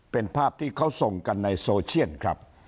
เป็นภาพที่เขาส่งกันในโซเชียลครับ